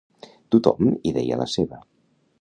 Tothom hi deia la seva.